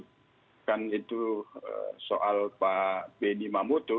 dimaksudkan itu soal pak b d mamoto